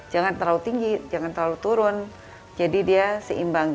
jangan terlalu tinggi jangan terlalu turun jadi dia seimbang